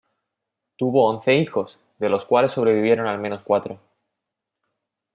Tuvo once hijos, de los cuales sobrevivieron al menos cuatro.